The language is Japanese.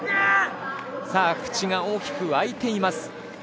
口が大きく開いています。